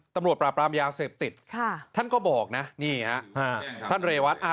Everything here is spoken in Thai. ตำรวจปราบรามยาเสพติดท่านก็บอกนะนี่ฮะท่านเรวัต